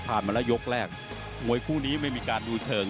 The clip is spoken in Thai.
เสียช่วงนี้อีกนิดนึง